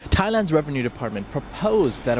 thái lan đảng cộng hòa